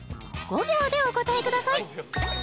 ５秒でお答えください